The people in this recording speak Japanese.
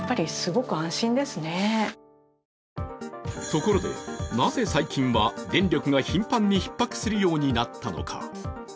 ところで、なぜ最近は電力が頻繁にひっ迫するようになったのか。